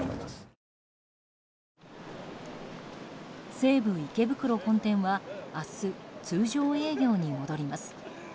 西武池袋本店は明日、通常営業に戻ります。